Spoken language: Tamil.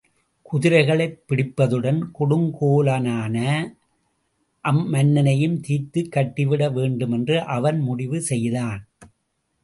குதிரைகளைப் பிடிப்பதுடன், கொடுங்கோலனான அம்மன்னனையும் தீர்த்துக் கட்டிவிட வேண்டு மென்று அவன் முடிவு செய்தான்.